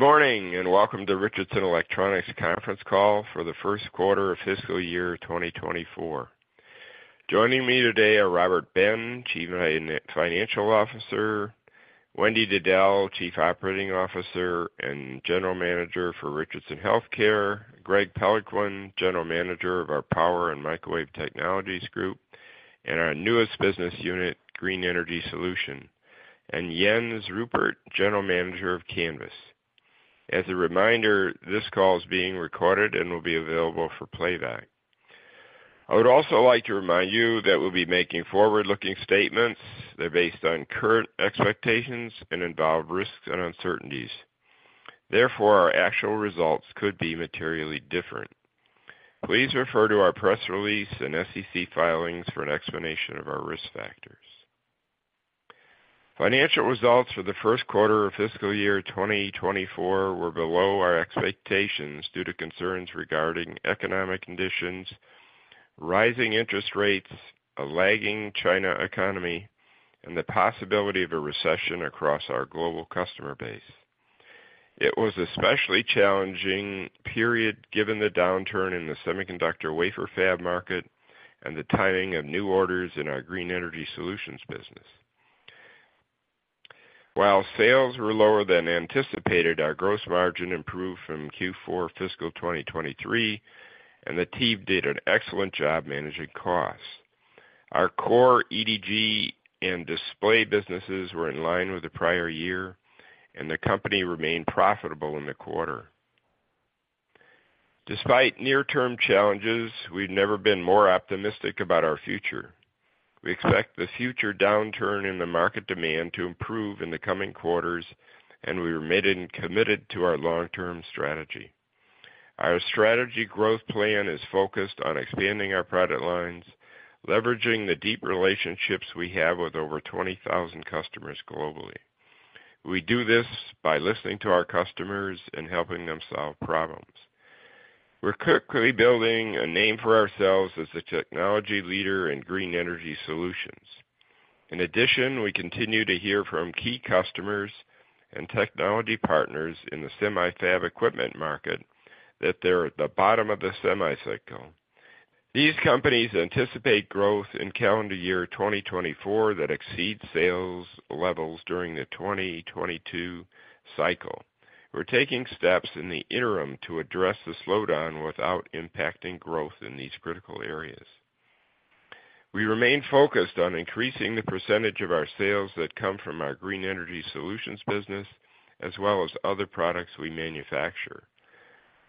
Good morning, and welcome to Richardson Electronics conference call for the first quarter of fiscal year 2024. Joining me today are Robert J. Ben, Chief Financial Officer, Wendy Diddell, Chief Operating Officer and General Manager for Richardson Healthcare, Greg Peloquin, General Manager of our Power and Microwave Technologies Group, and our newest business unit, Green Energy Solution, and Jens Ruppert, General Manager of Canvys. As a reminder, this call is being recorded and will be available for playback. I would also like to remind you that we'll be making forward-looking statements. They're based on current expectations and involve risks and uncertainties. Therefore, our actual results could be materially different. Please refer to our press release and SEC filings for an explanation of our risk factors. Financial results for the first quarter of fiscal year 2024 were below our expectations due to concerns regarding economic conditions, rising interest rates, a lagging China economy, and the possibility of a recession across our global customer base. It was especially challenging period, given the downturn in the semiconductor wafer fab market and the timing of new orders in our Green Energy Solutions business. While sales were lower than anticipated, our gross margin improved from Q4 fiscal 2023, and the team did an excellent job managing costs. Our core EDG and display businesses were in line with the prior year, and the company remained profitable in the quarter. Despite near-term challenges, we've never been more optimistic about our future. We expect the future downturn in the market demand to improve in the coming quarters, and we remain committed to our long-term strategy. Our strategy growth plan is focused on expanding our product lines, leveraging the deep relationships we have with over 20,000 customers globally. We do this by listening to our customers and helping them solve problems. We're quickly building a name for ourselves as a technology leader in green energy solutions. In addition, we continue to hear from key customers and technology partners in the semi-fab equipment market that they're at the bottom of the semi cycle. These companies anticipate growth in calendar year 2024 that exceeds sales levels during the 2022 cycle. We're taking steps in the interim to address the slowdown without impacting growth in these critical areas. We remain focused on increasing the percentage of our sales that come from our green energy solutions business, as well as other products we manufacture.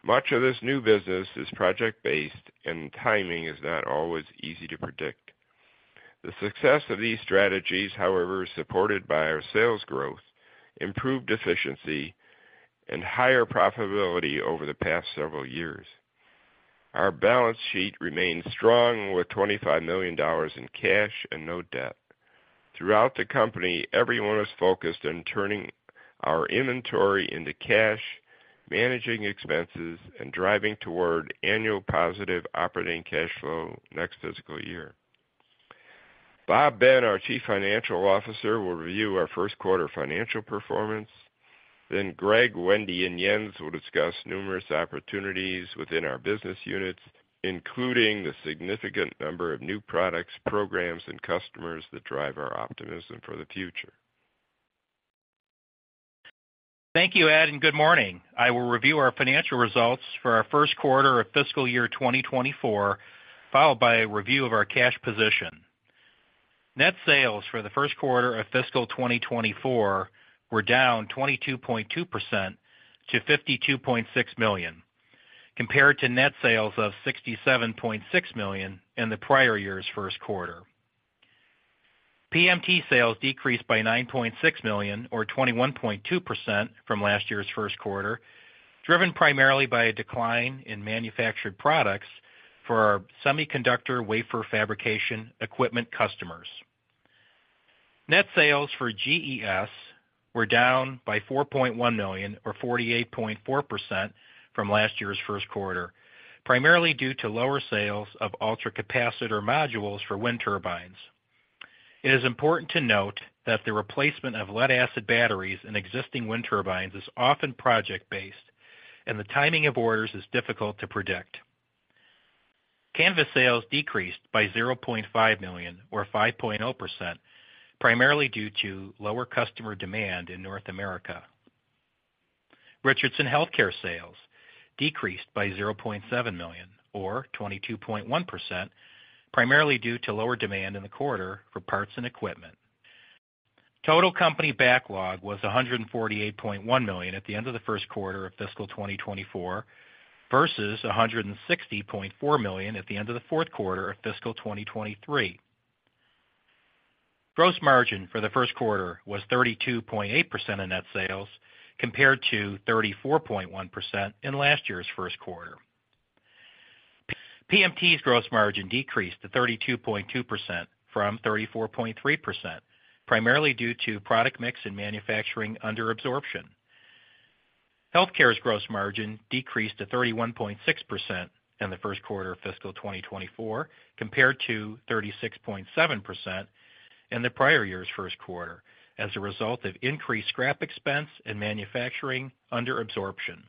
Much of this new business is project-based and timing is not always easy to predict. The success of these strategies, however, is supported by our sales growth, improved efficiency, and higher profitability over the past several years. Our balance sheet remains strong, with $25 million in cash and no debt. Throughout the company, everyone is focused on turning our inventory into cash, managing expenses, and driving toward annual positive operating cash flow next fiscal year. Bob Ben, our Chief Financial Officer, will review our first quarter financial performance. Then Greg, Wendy, and Jens will discuss numerous opportunities within our business units, including the significant number of new products, programs, and customers that drive our optimism for the future. Thank you, Ed, and good morning. I will review our financial results for our first quarter of fiscal year 2024, followed by a review of our cash position. Net sales for the first quarter of fiscal 2024 were down 22.2% to $52.6 million, compared to net sales of $67.6 million in the prior year's first quarter. PMT sales decreased by $9.6 million, or 21.2% from last year's first quarter, driven primarily by a decline in manufactured products for our semiconductor wafer fabrication equipment customers. Net sales for GES were down by $4.1 million, or 48.4% from last year's first quarter, primarily due to lower sales of ultracapacitor modules for wind turbines. It is important to note that the replacement of lead-acid batteries in existing wind turbines is often project-based, and the timing of orders is difficult to predict. Canvys sales decreased by $0.5 million, or 5.0%, primarily due to lower customer demand in North America. Richardson Healthcare sales decreased by $0.7 million, or 22.1%, primarily due to lower demand in the quarter for parts and equipment. Total company backlog was $148.1 million at the end of the first quarter of fiscal 2024, versus $160.4 million at the end of the fourth quarter of fiscal 2023. Gross margin for the first quarter was 32.8% of net sales, compared to 34.1% in last year's first quarter. PMT's gross margin decreased to 32.2% from 34.3%, primarily due to product mix and manufacturing under absorption. Healthcare's gross margin decreased to 31.6% in the first quarter of fiscal 2024, compared to 36.7% in the prior year's first quarter, as a result of increased scrap expense and manufacturing under absorption.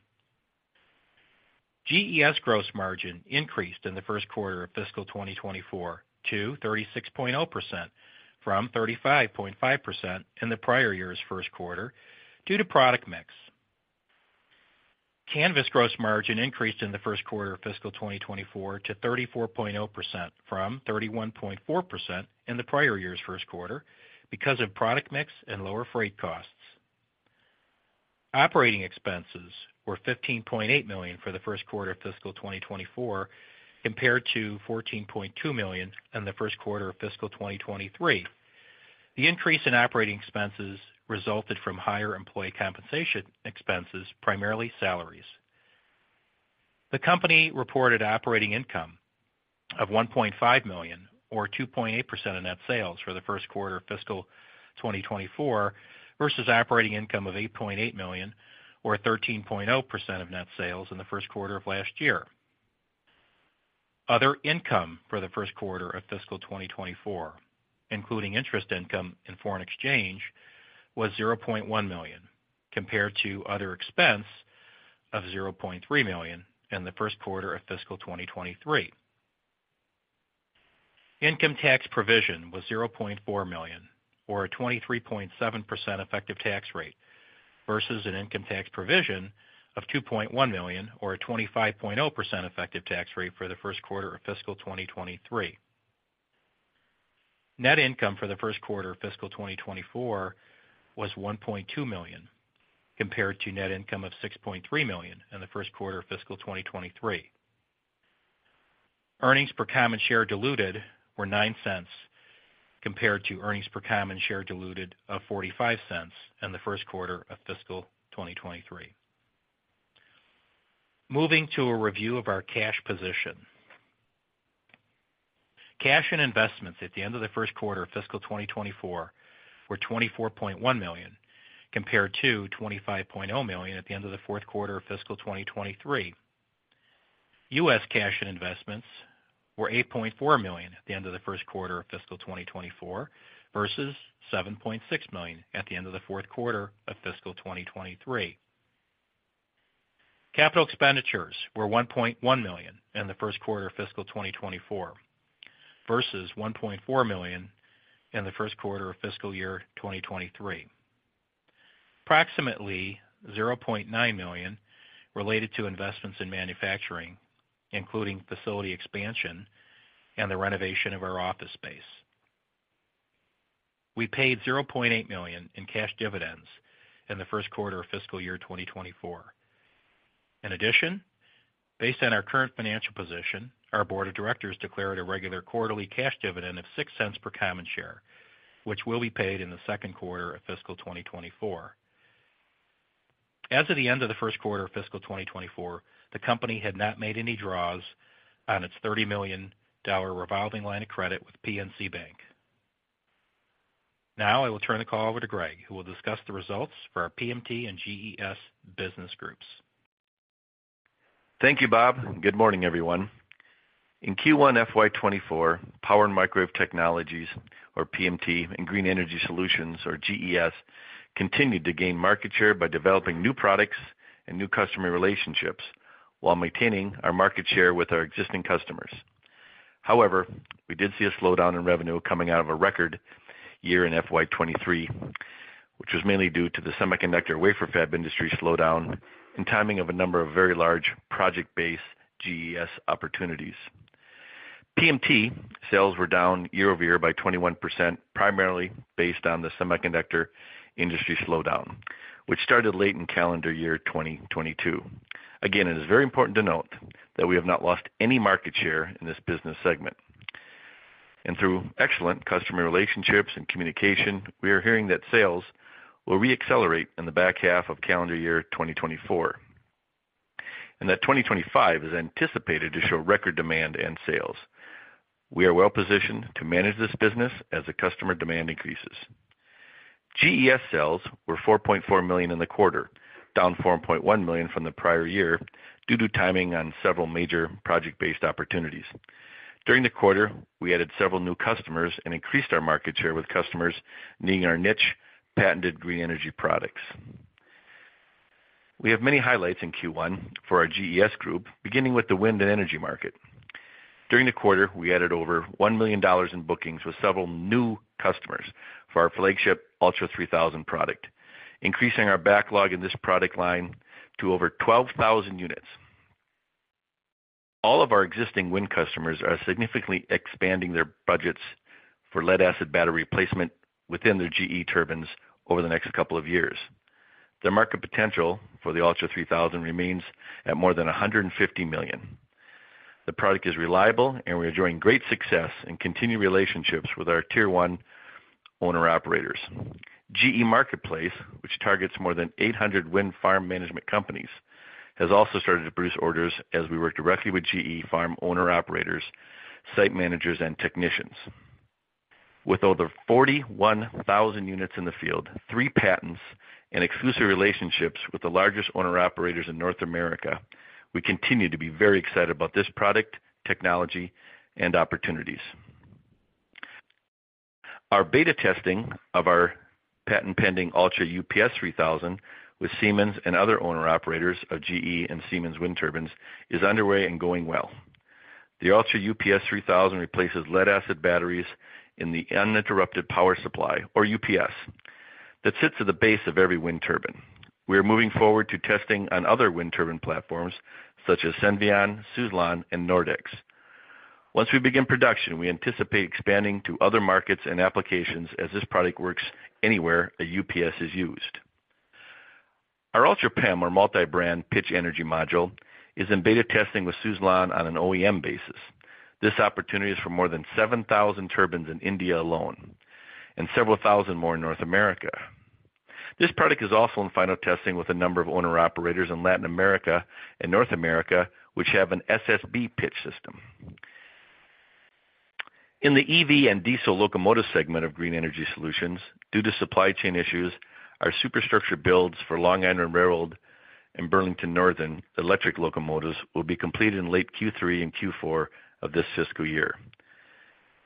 GES gross margin increased in the first quarter of fiscal 2024 to 36.0% from 35.5% in the prior year's first quarter, due to product mix. Canvys gross margin increased in the first quarter of fiscal 2024 to 34.0% from 31.4% in the prior year's first quarter, because of product mix and lower freight costs. Operating expenses were $15.8 million for the first quarter of fiscal 2024, compared to $14.2 million in the first quarter of fiscal 2023. The increase in operating expenses resulted from higher employee compensation expenses, primarily salaries. The company reported operating income of $1.5 million, or 2.8% of net sales, for the first quarter of fiscal 2024, versus operating income of $8.8 million, or 13.0% of net sales, in the first quarter of last year. Other income for the first quarter of fiscal 2024, including interest income and foreign exchange, was $0.1 million, compared to other expense of $0.3 million in the first quarter of fiscal 2023. Income tax provision was $0.4 million, or a 23.7% effective tax rate, versus an income tax provision of $2.1 million, or a 25.0% effective tax rate, for the first quarter of fiscal 2023. Net income for the first quarter of fiscal 2024 was $1.2 million, compared to net income of $6.3 million in the first quarter of fiscal 2023. Earnings per common share diluted were $0.09, compared to earnings per common share diluted of $0.45 in the first quarter of fiscal 2023. Moving to a review of our cash position. Cash and investments at the end of the first quarter of fiscal 2024 were $24.1 million, compared to $25.0 million at the end of the fourth quarter of fiscal 2023. US cash and investments were $8.4 million at the end of the first quarter of fiscal 2024, versus $7.6 million at the end of the fourth quarter of fiscal 2023. Capital expenditures were $1.1 million in the first quarter of fiscal 2024, versus $1.4 million in the first quarter of fiscal year 2023. Approximately $0.9 million related to investments in manufacturing, including facility expansion and the renovation of our office space. We paid $0.8 million in cash dividends in the first quarter of fiscal year 2024. In addition, based on our current financial position, our board of directors declared a regular quarterly cash dividend of $0.06 per common share, which will be paid in the second quarter of fiscal 2024. As of the end of the first quarter of fiscal 2024, the company had not made any draws on its $30 million revolving line of credit with PNC Bank. Now I will turn the call over to Greg, who will discuss the results for our PMT and GES business groups. Thank you, Bob. Good morning, everyone. In Q1 FY 2024, Power and Microwave Technologies, or PMT, and Green Energy Solutions, or GES, continued to gain market share by developing new products and new customer relationships while maintaining our market share with our existing customers. However, we did see a slowdown in revenue coming out of a record year in FY 2023, which was mainly due to the semiconductor wafer fab industry slowdown and timing of a number of very large project-based GES opportunities. PMT sales were down year-over-year by 21%, primarily based on the semiconductor industry slowdown, which started late in calendar year 2022. Again, it is very important to note that we have not lost any market share in this business segment. Through excellent customer relationships and communication, we are hearing that sales will re-accelerate in the back half of calendar year 2024, and that 2025 is anticipated to show record demand and sales. We are well positioned to manage this business as the customer demand increases. GES sales were $4.4 million in the quarter, down $4.1 million from the prior year, due to timing on several major project-based opportunities. During the quarter, we added several new customers and increased our market share with customers needing our niche patented green energy products. We have many highlights in Q1 for our GES group, beginning with the wind and energy market. During the quarter, we added over $1 million in bookings with several new customers for our flagship Ultra 3000 product, increasing our backlog in this product line to over 12,000 units. All of our existing wind customers are significantly expanding their budgets for lead-acid battery replacement within their GE turbines over the next couple of years. The market potential for the Ultra 3000 remains at more than $150 million. The product is reliable, and we are enjoying great success and continued relationships with our tier one owner-operators. GE Marketplace, which targets more than 800 wind farm management companies, has also started to produce orders as we work directly with GE farm owner-operators, site managers, and technicians. With over 41,000 units in the field, 3 patents and exclusive relationships with the largest owner-operators in North America, we continue to be very excited about this product, technology, and opportunities. Our beta testing of our patent-pending Ultra UPS 3000 with Siemens and other owner-operators of GE and Siemens wind turbines is underway and going well. The Ultra UPS 3000 replaces lead acid batteries in the uninterrupted power supply, or UPS, that sits at the base of every wind turbine. We are moving forward to testing on other wind turbine platforms such as Senvion, Suzlon, and Nordex. Once we begin production, we anticipate expanding to other markets and applications as this product works anywhere a UPS is used. Our Ultra PEM, or multi-brand pitch energy module, is in beta testing with Suzlon on an OEM basis. This opportunity is for more than 7,000 turbines in India alone and several thousand more in North America. This product is also in final testing with a number of owner-operators in Latin America and North America, which have an SSB pitch system. In the EV and diesel locomotive segment of green energy solutions, due to supply chain issues, our superstructure builds for Long Island Rail Road and Burlington Northern electric locomotives will be completed in late Q3 and Q4 of this fiscal year.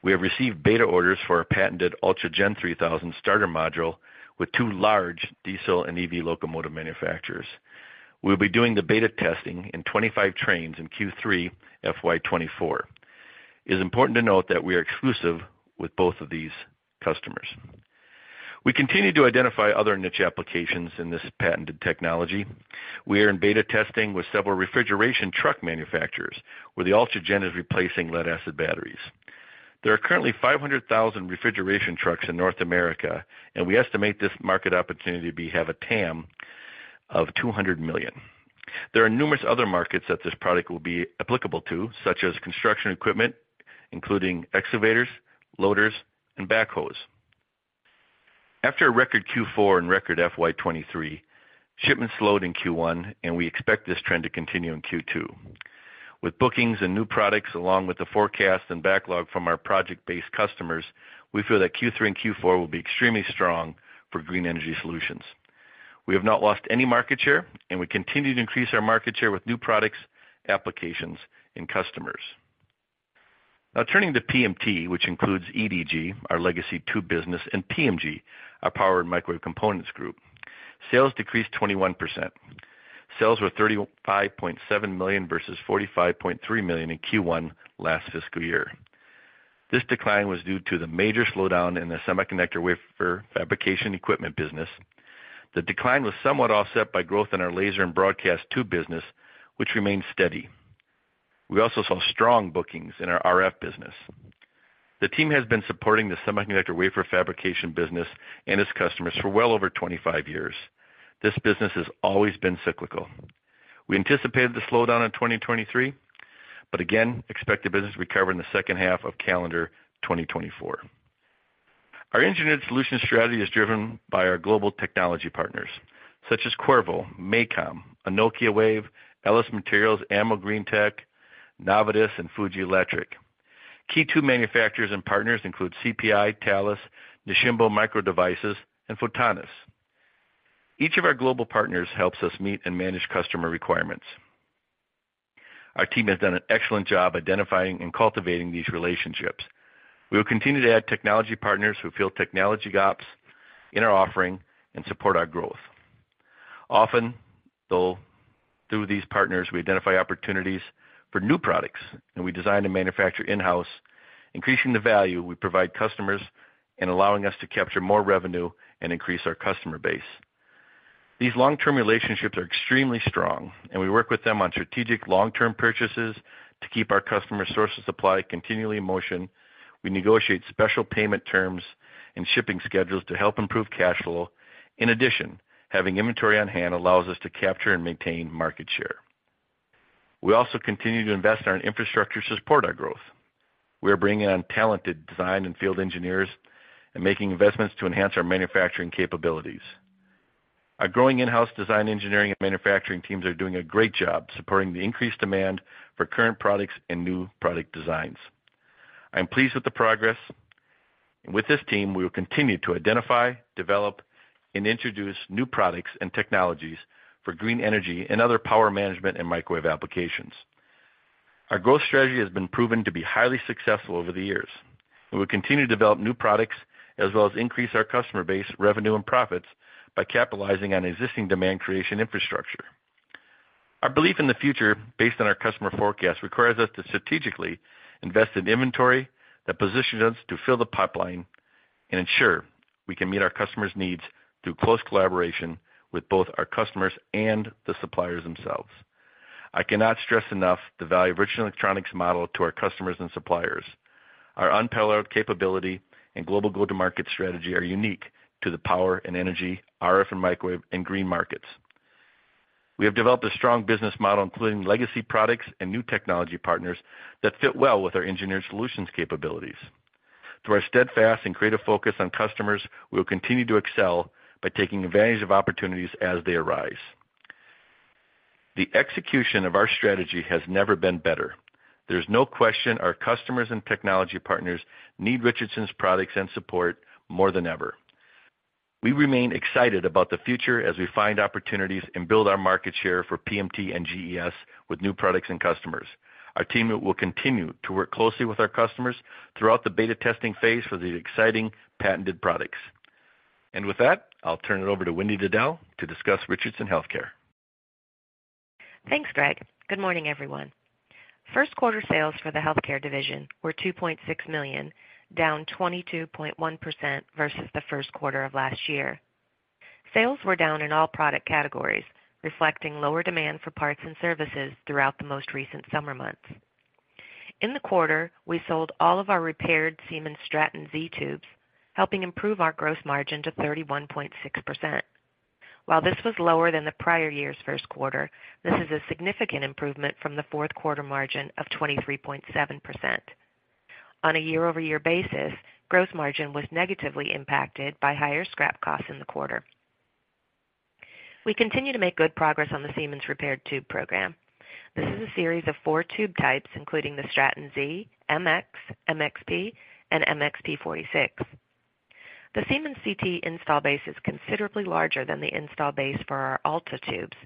We have received beta orders for our patented Ultra Gen 3000 starter module with two large diesel and EV locomotive manufacturers. We'll be doing the beta testing in 25 trains in Q3, FY 2024. It's important to note that we are exclusive with both of these customers. We continue to identify other niche applications in this patented technology. We are in beta testing with several refrigeration truck manufacturers, where the Ultra Gen is replacing lead-acid batteries. There are currently 500,000 refrigeration trucks in North America, and we estimate this market opportunity to have a TAM of $200 million. There are numerous other markets that this product will be applicable to, such as construction equipment, including excavators, loaders, and backhoes. After a record Q4 and record FY 2023, shipments slowed in Q1, and we expect this trend to continue in Q2. With bookings and new products, along with the forecast and backlog from our project-based customers, we feel that Q3 and Q4 will be extremely strong for green energy solutions. We have not lost any market share, and we continue to increase our market share with new products, applications, and customers. Now turning to PMT, which includes EDG, our legacy tube business, and PMG, our Power and Microwave Components Group. Sales decreased 21%. Sales were $35.7 million versus $45.3 million in Q1 last fiscal year. This decline was due to the major slowdown in the semiconductor wafer fabrication equipment business. The decline was somewhat offset by growth in our laser and broadcast tube business, which remains steady. We also saw strong bookings in our RF business. The team has been supporting the semiconductor wafer fabrication business and its customers for well over 25 years. This business has always been cyclical. We anticipated the slowdown in 2023, but again, expect the business to recover in the second half of calendar 2024. Our engineered solutions strategy is driven by our global technology partners, such as Qorvo, MACOM, Nokia Wave, Ellis Materials, Ammo Green Tech, Novitus, and Fuji Electric. Key tube manufacturers and partners include CPI, Thales, Nisshinbo Microdevices, and Photonis. Each of our global partners helps us meet and manage customer requirements. Our team has done an excellent job identifying and cultivating these relationships. We will continue to add technology partners who fill technology gaps in our offering and support our growth. Often, though, through these partners, we identify opportunities for new products, and we design and manufacture in-house, increasing the value we provide customers and allowing us to capture more revenue and increase our customer base. These long-term relationships are extremely strong, and we work with them on strategic, long-term purchases to keep our customer source of supply continually in motion. We negotiate special payment terms and shipping schedules to help improve cash flow. In addition, having inventory on hand allows us to capture and maintain market share. We also continue to invest in our infrastructure to support our growth. We are bringing on talented design and field engineers and making investments to enhance our manufacturing capabilities. Our growing in-house design, engineering and manufacturing teams are doing a great job supporting the increased demand for current products and new product designs. I'm pleased with the progress, and with this team, we will continue to identify, develop, and introduce new products and technologies for green energy and other power management and microwave applications. Our growth strategy has been proven to be highly successful over the years. We will continue to develop new products as well as increase our customer base, revenue, and profits by capitalizing on existing demand creation infrastructure. Our belief in the future, based on our customer forecast, requires us to strategically invest in inventory that positions us to fill the pipeline and ensure we can meet our customers' needs through close collaboration with both our customers and the suppliers themselves. I cannot stress enough the value of Richardson Electronics' model to our customers and suppliers. Our unparalleled capability and global go-to-market strategy are unique to the power and energy, RF and microwave, and green markets. We have developed a strong business model, including legacy products and new technology partners, that fit well with our engineered solutions capabilities. Through our steadfast and creative focus on customers, we will continue to excel by taking advantage of opportunities as they arise. The execution of our strategy has never been better. There's no question our customers and technology partners need Richardson's products and support more than ever. We remain excited about the future as we find opportunities and build our market share for PMT and GES with new products and customers. Our team will continue to work closely with our customers throughout the beta testing phase for these exciting patented products. And with that, I'll turn it over to Wendy Diddell to discuss Richardson Healthcare. Thanks, Greg. Good morning, everyone. First quarter sales for the healthcare division were $2.6 million, down 22.1% versus the first quarter of last year. Sales were down in all product categories, reflecting lower demand for parts and services throughout the most recent summer months. In the quarter, we sold all of our repaired Siemens Straton Z tubes, helping improve our gross margin to 31.6%. While this was lower than the prior year's first quarter, this is a significant improvement from the fourth quarter margin of 23.7%. On a year-over-year basis, gross margin was negatively impacted by higher scrap costs in the quarter. We continue to make good progress on the Siemens repaired tube program. This is a series of four tube types, including the Straton Z, MX, MXP, and MXP-46. The Siemens CT install base is considerably larger than the install base for our Alta tubes,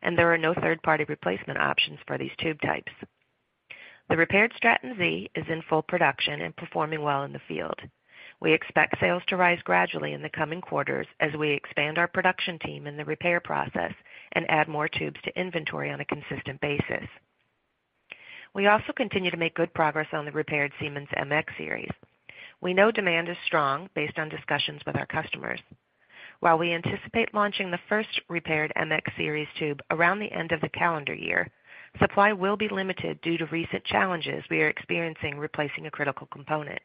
and there are no third-party replacement options for these tube types. The repaired Straton Z is in full production and performing well in the field. We expect sales to rise gradually in the coming quarters as we expand our production team in the repair process and add more tubes to inventory on a consistent basis. We also continue to make good progress on the repaired Siemens MX series. We know demand is strong based on discussions with our customers. While we anticipate launching the first repaired MX series tube around the end of the calendar year, supply will be limited due to recent challenges we are experiencing replacing a critical component.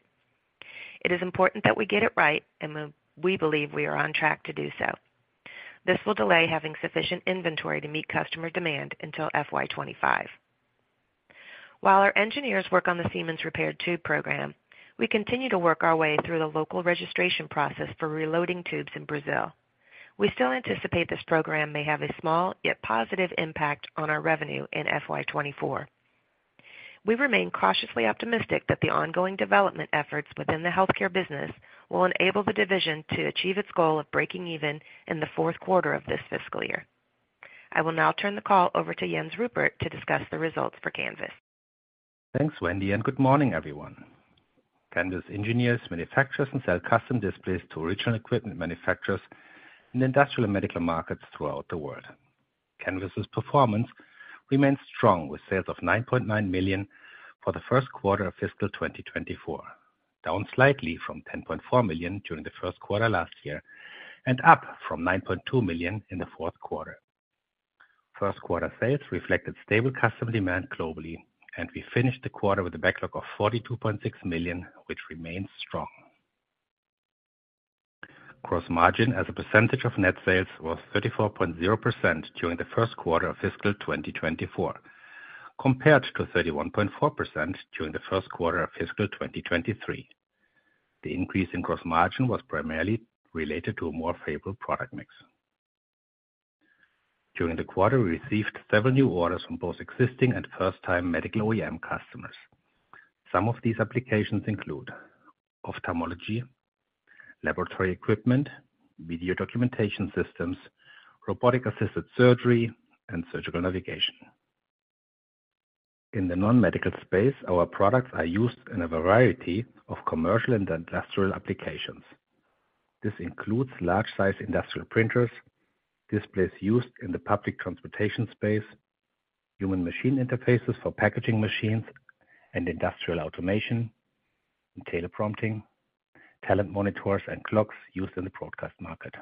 It is important that we get it right, and we believe we are on track to do so. This will delay having sufficient inventory to meet customer demand until FY 25. While our engineers work on the Siemens repaired tube program, we continue to work our way through the local registration process for reloading tubes in Brazil. We still anticipate this program may have a small, yet positive impact on our revenue in FY 24. We remain cautiously optimistic that the ongoing development efforts within the healthcare business will enable the division to achieve its goal of breaking even in the fourth quarter of this fiscal year. I will now turn the call over to Jens Ruppert to discuss the results for Canvys. Thanks, Wendy, and good morning, everyone. Canvys engineers, manufacturers, and sell custom displays to original equipment manufacturers in industrial and medical markets throughout the world. Canvys's performance remains strong, with sales of $9.9 million for the first quarter of fiscal 2024, down slightly from $10.4 million during the first quarter last year, and up from $9.2 million in the fourth quarter. First quarter sales reflected stable customer demand globally, and we finished the quarter with a backlog of $42.6 million, which remains strong. Gross margin as a percentage of net sales was 34.0% during the first quarter of fiscal 2024, compared to 31.4% during the first quarter of fiscal 2023. The increase in gross margin was primarily related to a more favorable product mix. During the quarter, we received several new orders from both existing and first-time medical OEM customers. Some of these applications include ophthalmology, laboratory equipment, video documentation systems, robotic-assisted surgery, and surgical navigation. In the non-medical space, our products are used in a variety of commercial and industrial applications. This includes large-size industrial printers, displays used in the public transportation space, human machine interfaces for packaging machines and industrial automation, and teleprompting, talent monitors, and clocks used in the broadcast market.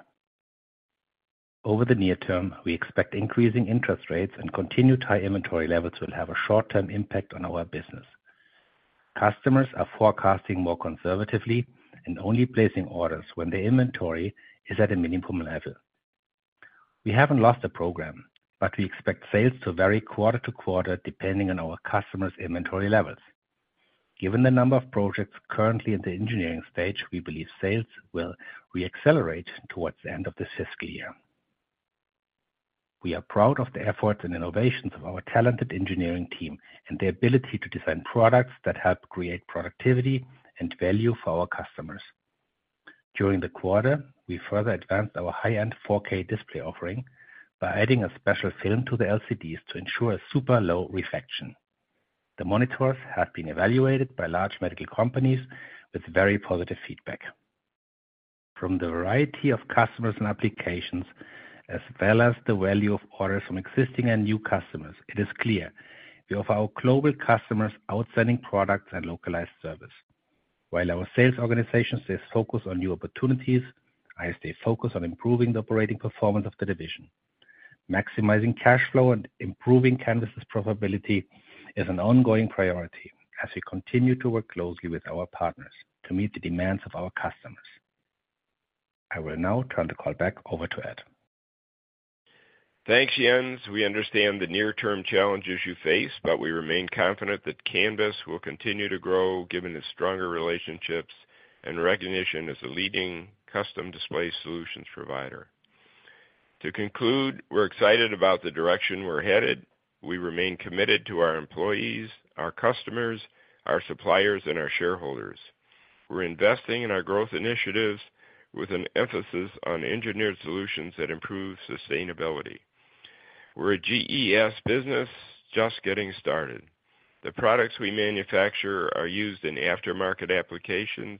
Over the near term, we expect increasing interest rates and continued high inventory levels will have a short-term impact on our business. Customers are forecasting more conservatively and only placing orders when the inventory is at a minimum level. We haven't lost the program, but we expect sales to vary quarter to quarter, depending on our customers' inventory levels. Given the number of projects currently in the engineering stage, we believe sales will re-accelerate towards the end of this fiscal year. We are proud of the efforts and innovations of our talented engineering team and their ability to design products that help create productivity and value for our customers. During the quarter, we further advanced our high-end 4K display offering by adding a special film to the LCDs to ensure a super low reflection. The monitors have been evaluated by large medical companies with very positive feedback. From the variety of customers and applications, as well as the value of orders from existing and new customers, it is clear we offer our global customers outstanding products and localized service. While our sales organization stays focused on new opportunities, I stay focused on improving the operating performance of the division. Maximizing cash flow and improving Canvys's profitability is an ongoing priority as we continue to work closely with our partners to meet the demands of our customers. I will now turn the call back over to Ed. Thanks, Jens. We understand the near-term challenges you face, but we remain confident that Canvys will continue to grow, given its stronger relationships and recognition as a leading custom display solutions provider. To conclude, we're excited about the direction we're headed. We remain committed to our employees, our customers, our suppliers, and our shareholders. We're investing in our growth initiatives with an emphasis on engineered solutions that improve sustainability. We're a GES business, just getting started. The products we manufacture are used in aftermarket applications,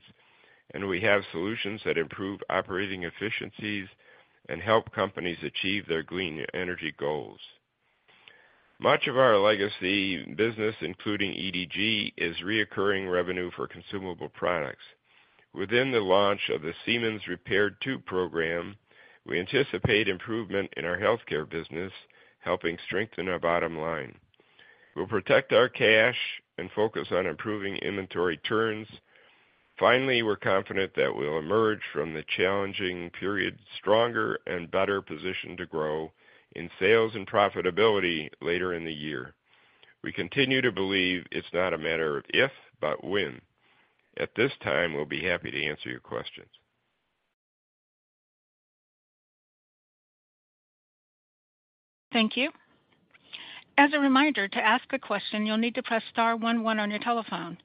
and we have solutions that improve operating efficiencies and help companies achieve their green energy goals. Much of our legacy business, including EDG, is recurring revenue for consumable products. Within the launch of the Siemens Repaired Tube program, we anticipate improvement in our healthcare business, helping strengthen our bottom line. We'll protect our cash and focus on improving inventory turns. Finally, we're confident that we'll emerge from the challenging period, stronger and better positioned to grow in sales and profitability later in the year. We continue to believe it's not a matter of if, but when. At this time, we'll be happy to answer your questions. Thank you. As a reminder, to ask a question, you'll need to press star one one on your telephone.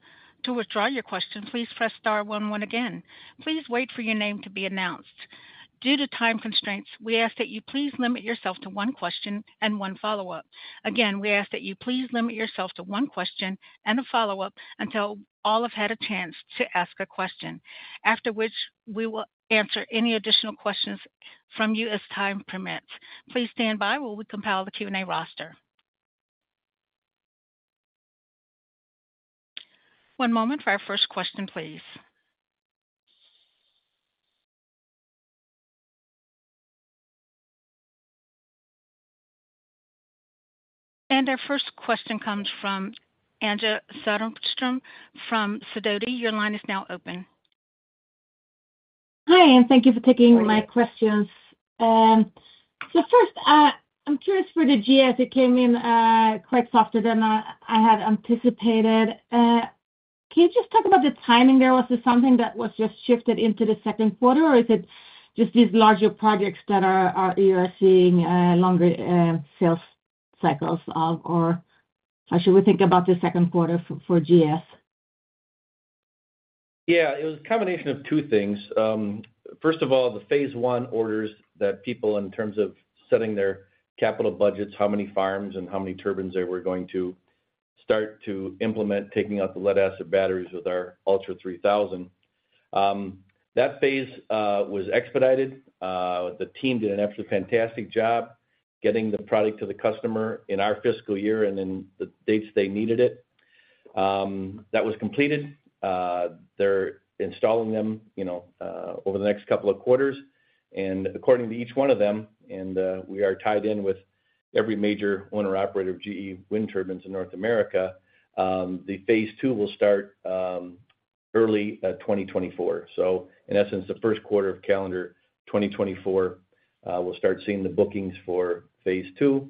To withdraw your question, please press star one one again. Please wait for your name to be announced. Due to time constraints, we ask that you please limit yourself to one question and one follow-up. Again, we ask that you please limit yourself to one question and a follow-up until all have had a chance to ask a question, after which we will answer any additional questions from you as time permits. Please stand by while we compile the Q&A roster. One moment for our first question, please. Our first question comes from Anja Soderstrom from Sidoti. Your line is now open. Hi, and thank you for taking my questions. First, I'm curious for the GS. It came in quite softer than I had anticipated. Can you just talk about the timing there? Was this something that was just shifted into the second quarter, or is it just these larger projects that you are seeing, longer sales cycles of? How should we think about the second quarter for GS? Yeah, it was a combination of two things. First of all, the phase one orders that people, in terms of setting their capital budgets, how many farms and how many turbines they were going to start to implement, taking out the lead acid batteries with our Ultra 3000. That phase was expedited. The team did an absolutely fantastic job getting the product to the customer in our fiscal year and then the dates they needed it. That was completed. They're installing them, you know, over the next couple of quarters. And according to each one of them, and we are tied in with every major owner-operator of GE wind turbines in North America, the phase two will start early 2024. So in essence, the first quarter of calendar 2024, we'll start seeing the bookings for phase two.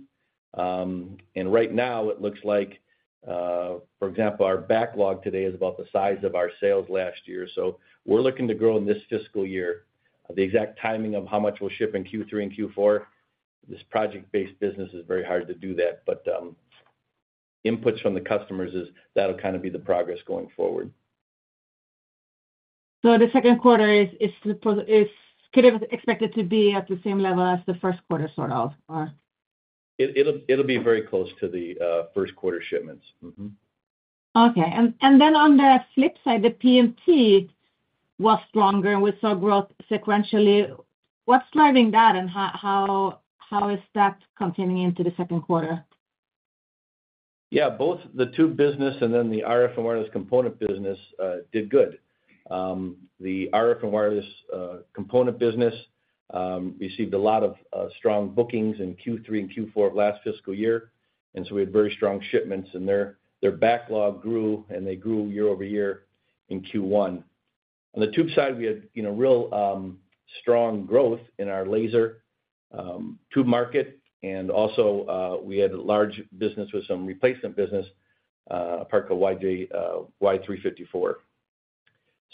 And right now, it looks like, for example, our backlog today is about the size of our sales last year, so we're looking to grow in this fiscal year. The exact timing of how much we'll ship in Q3 and Q4, this project-based business is very hard to do that, but inputs from the customers is, that'll kind of be the progress going forward. The second quarter is, is supposed, is kind of expected to be at the same level as the first quarter, sort of? Or- It'll be very close to the first quarter shipments. Okay. And then on the flip side, the PMT was stronger, and we saw growth sequentially. What's driving that, and how is that continuing into the second quarter? Yeah, both the tube business and then the RF and wireless component business did good. The RF and wireless component business received a lot of strong bookings in Q3 and Q4 of last fiscal year, and we had very strong shipments, and their backlog grew, and they grew year-over-year in Q1. On the tube side, we had, you know, real strong growth in our laser tube market, and also we had a large business with some replacement business, a part called YJ354.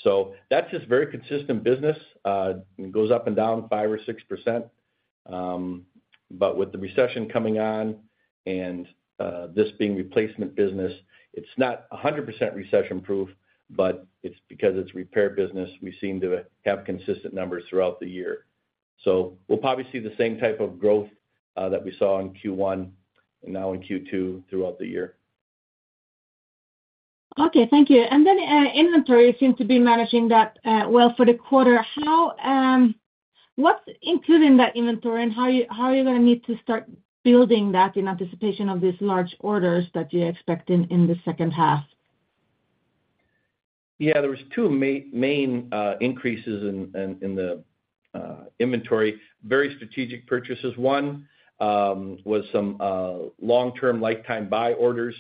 So that's just very consistent business. It goes up and down 5% or 6%, but with the recession coming on and this being replacement business, it's not 100% recession-proof, but it's because it's repair business, we seem to have consistent numbers throughout the year. So we'll probably see the same type of growth that we saw in Q1 and now in Q2 throughout the year. Okay, thank you. And then, inventory seems to be managing that well for the quarter. How, what's included in that inventory, and how are you, how are you going to need to start building that in anticipation of these large orders that you're expecting in the second half? Yeah, there were two main increases in the inventory, very strategic purchases. One was some long-term lifetime buy orders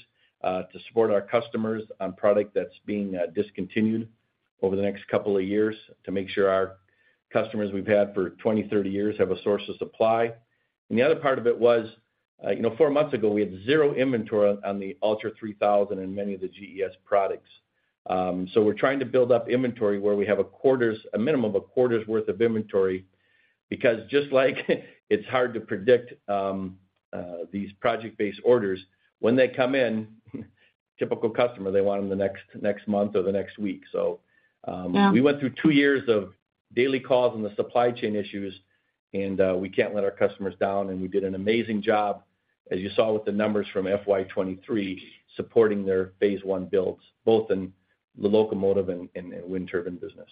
to support our customers on product that's being discontinued over the next couple of years, to make sure our customers we've had for 20, 30 years have a source of supply. The other part of it was, you know, four months ago, we had zero inventory on the Ultra 3000 and many of the GES products. We're trying to build up inventory where we have a quarter's, a minimum of a quarter's worth of inventory, because just like it's hard to predict these project-based orders, when they come in, typical customer, they want them the next month or the next week. Yeah. We went through two years of daily calls on the supply chain issues, and we can't let our customers down, and we did an amazing job, as you saw with the numbers from FY 2023, supporting their phase one builds, both in the locomotive and the wind turbine business.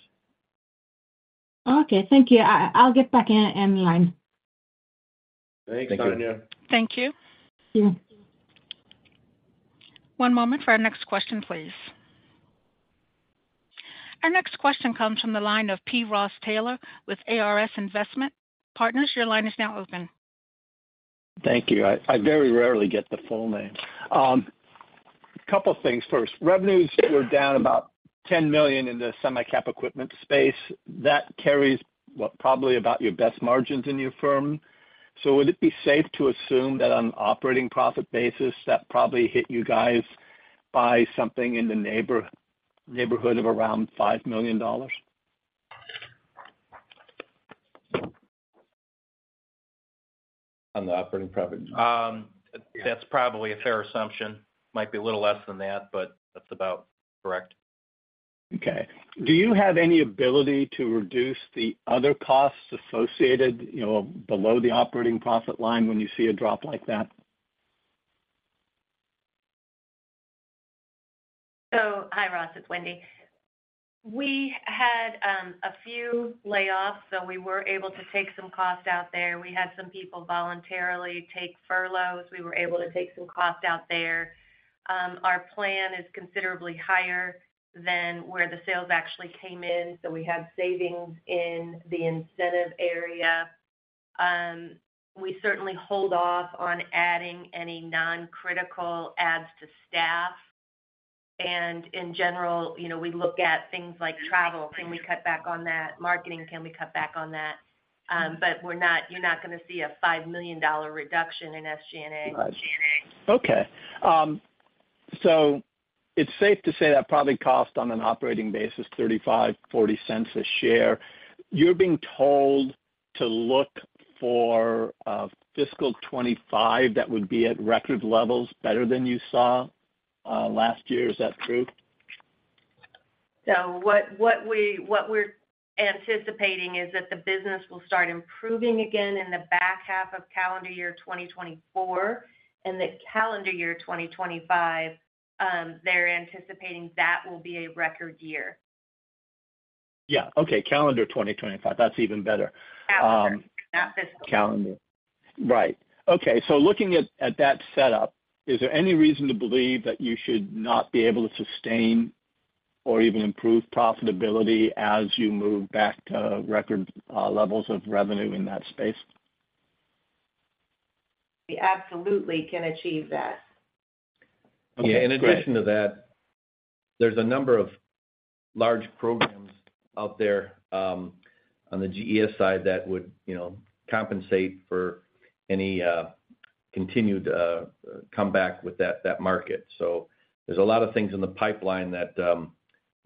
Okay, thank you. I'll get back in line. Thanks, Tanya. Thank you. Thank you. One moment for our next question, please. Our next question comes from the line of P. Ross Taylor with ARS Investment Partners. Your line is now open. Thank you. I, very rarely get the full name. Couple things. First, revenues were down about $10 million in the semi-cap equipment space. That carries, what, probably about your best margins in your firm. So would it be safe to assume that on an operating profit basis, that probably hit you guys by something in the neighborhood of around $5 million? On the operating profit? That's probably a fair assumption. Might be a little less than that, but that's about correct. Okay. Do you have any ability to reduce the other costs associated, you know, below the operating profit line when you see a drop like that? So, hi, Ross, it's Wendy. We had a few layoffs, so we were able to take some costs out there. We had some people voluntarily take furloughs. We were able to take some costs out there. Our plan is considerably higher than where the sales actually came in, so we have savings in the incentive area. We certainly hold off on adding any non-critical adds to staff. And in general, you know, we look at things like travel. Can we cut back on that? Marketing, can we cut back on that? But we're not you're not going to see a $5 million reduction in SG&A. Right. Okay, so it's safe to say that probably cost on an operating basis $0.35-$0.40 a share. You're being told to look for a fiscal 2025 that would be at record levels, better than you saw last year. Is that true? What we're anticipating is that the business will start improving again in the back half of calendar year 2024, and the calendar year 2025. They're anticipating that will be a record year. Yeah. Okay. Calendar 2025, that's even better. Calendar, not fiscal. Calendar. Right. Okay. So looking at that setup, is there any reason to believe that you should not be able to sustain or even improve profitability as you move back to record levels of revenue in that space? We absolutely can achieve that. Yeah, in addition to that, there's a number of large programs out there, on the GE side that would, you know, compensate for any continued comeback with that, that market. So there's a lot of things in the pipeline that,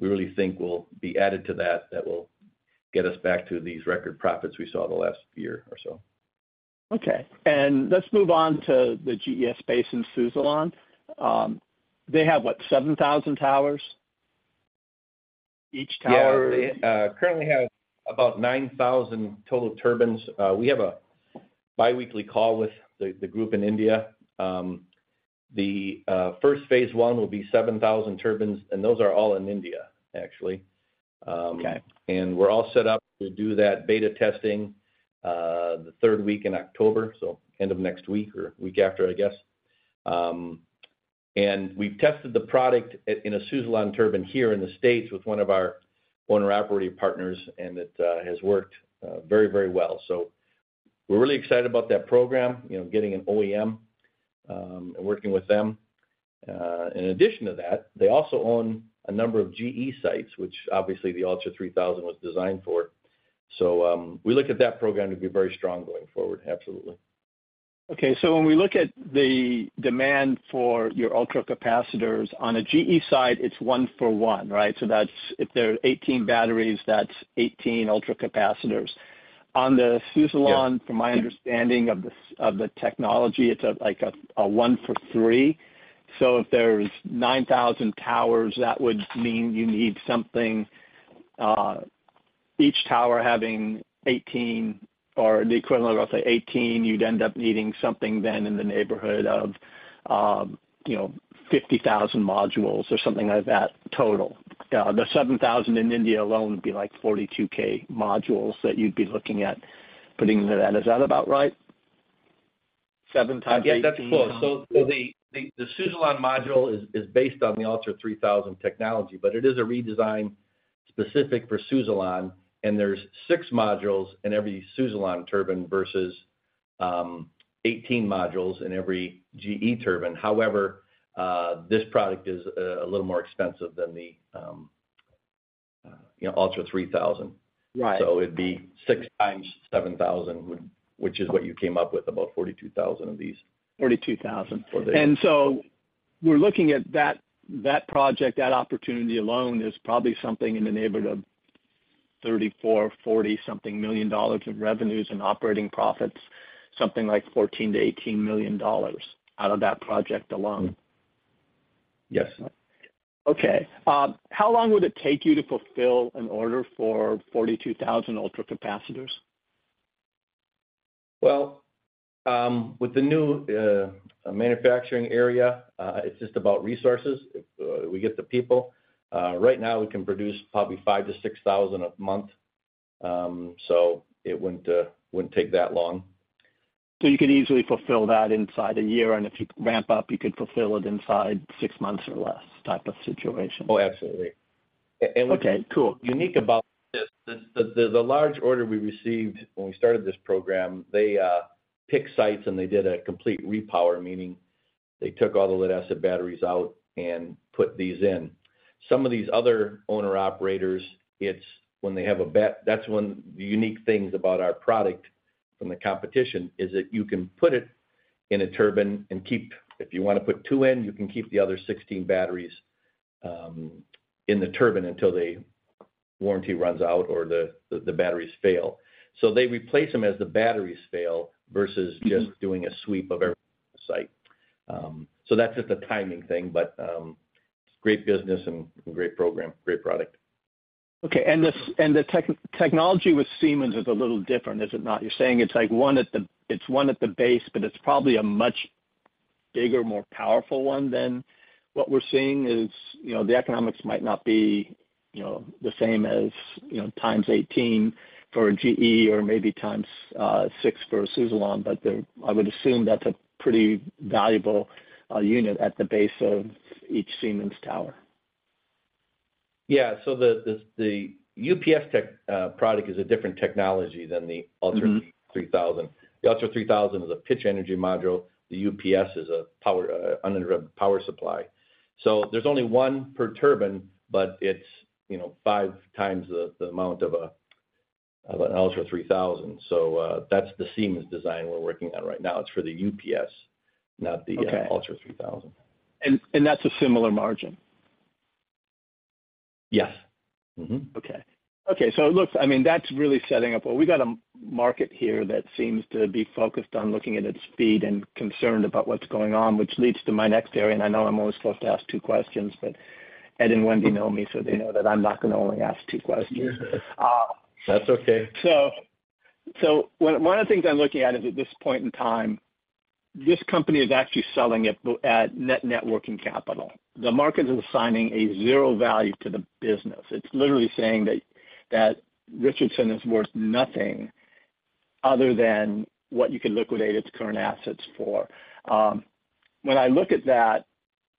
we really think will be added to that, that will get us back to these record profits we saw the last year or so. Okay, and let's move on to the GE space in Suzlon. They have, what, 7,000 towers? Each tower- Yeah, currently have about 9,000 total turbines. We have a biweekly call with the group in India. The first phase one will be 7,000 turbines, and those are all in India, actually. Okay. We're all set up to do that beta testing, the third week in October, so end of next week or week after, I guess. And we've tested the product at, in a Suzlon turbine here in the States with one of our owner operating partners, and it has worked very, very well. So we're really excited about that program, you know, getting an OEM and working with them. In addition to that, they also own a number of GE sites, which obviously the Ultra 3000 was designed for. So we look at that program to be very strong going forward, absolutely. Okay, so when we look at the demand for your ultracapacitors, on a GE side, it's one for one, right? So that's, if there are 18 batteries, that's 18 ultracapacitors. On the Suzlon. Yeah. From my understanding of the technology, it's like a one for three. If there's 9,000 towers, that would mean you need something, each tower having 18 or the equivalent of, I'll say 18, you'd end up needing something then in the neighborhood of, you know, 50,000 modules or something like that, total. The 7,000 in India alone would be like 42,000 modules that you'd be looking at putting into that. Is that about right? Seven times 18. Yeah, that's close. So the Suzlon module is based on the Ultra 3000 technology, but it is a redesign specific for Suzlon, and there's 6 modules in every Suzlon turbine versus 18 modules in every GE turbine. However, this product is a little more expensive than the, you know, Ultra 3000. Right. So it'd be 6 times 7,000, which is what you came up with, about 42,000 of these. Forty-two thousand. Forty. And so we're looking at that, that project, that opportunity alone is probably something in the neighborhood of $34-$40-something million in revenues and operating profits, something like $14 million-$18 million out of that project alone. Yes, sir. Okay. How long would it take you to fulfill an order for 42,000 ultracapacitors? Well, with the new manufacturing area, it's just about resources. If we get the people, right now we can produce probably 5-6,000 a month. So it wouldn't take that long. You could easily fulfill that inside a year, and if you ramp up, you could fulfill it inside six months or less type of situation? Oh, absolutely. Okay, cool. Unique about this, the large order we received when we started this program, they picked sites, and they did a complete repower, meaning they took all the lead acid batteries out and put these in. Some of these other owner-operators, it's when they have a bat. That's one of the unique things about our product from the competition, is that you can put it in a turbine and keep. If you want to put two in, you can keep the other 16 batteries in the turbine until the warranty runs out or the batteries fail. So they replace them as the batteries fail, versus- Just doing a sweep of every site. So that's just a timing thing, but, great business and great program, great product. Okay, and the technology with Siemens is a little different, is it not? You're saying it's like one at the base, but it's probably a much bigger, more powerful one than what we're seeing is, you know, the economics might not be, you know, the same as, you know, times 18 for a GE or maybe times 6 for a Suzlon, but they're I would assume that's a pretty valuable unit at the base of each Siemens tower. Yeah. So the UPS tech product is a different technology than the ultra 3000. The Ultra 3000 is a pitch energy module. The UPS is a power, uninterrupted power supply. So there's only one per turbine, but it's, you know, five times the, the amount of a, of an Ultra 3000. So, that's the Siemens design we're working on right now. It's for the UPS, not the. Okay. Ultra 3000. And that's a similar margin? Yes. Mm-hmm. Okay. Okay, so look, I mean, that's really setting up well. We got a market here that seems to be focused on looking at its speed and concerned about what's going on, which leads to my next area, and I know I'm only supposed to ask two questions, but Ed and Wendy know me, so they know that I'm not going to only ask two questions. That's okay. So, one of the things I'm looking at is, at this point in time, this company is actually selling it both at net working capital. The market is assigning a zero value to the business. It's literally saying that Richardson is worth nothing other than what you could liquidate its current assets for. When I look at that,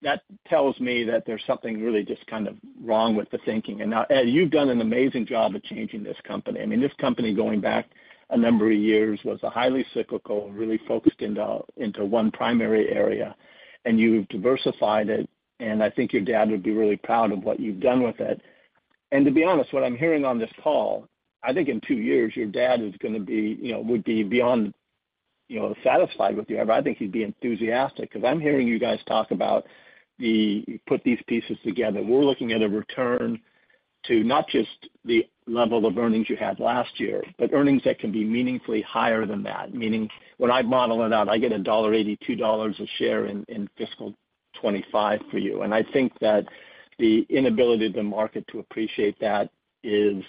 that tells me that there's something really just kind of wrong with the thinking. And now, Ed, you've done an amazing job of changing this company. I mean, this company, going back a number of years, was a highly cyclical, really focused into one primary area, and you've diversified it, and I think your dad would be really proud of what you've done with it. To be honest, what I'm hearing on this call, I think in two years, your dad is going to be, you know, would be beyond, you know, satisfied with you. I think he'd be enthusiastic because I'm hearing you guys talk about the... Put these pieces together. We're looking at a return to not just the level of earnings you had last year, but earnings that can be meaningfully higher than that. Meaning, when I model it out, I get $1.82 a share in fiscal 2025 for you. And I think that the inability of the market to appreciate that is